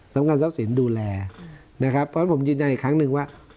สำคัญทรัพย์สินดูแลนะครับเพราะฉะนั้นผมยืนยันอีกครั้งหนึ่งว่า